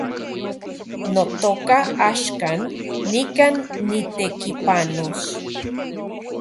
Notoka, axkan nikan nitekipanos